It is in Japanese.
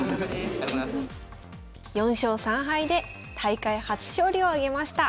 ４勝３敗で大会初勝利を挙げました。